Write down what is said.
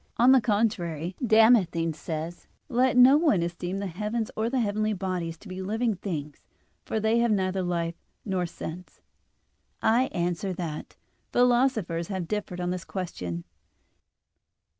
On the contrary, Damascene says (De Fide Orth. ii), "Let no one esteem the heavens or the heavenly bodies to be living things, for they have neither life nor sense." I answer that, Philosophers have differed on this question.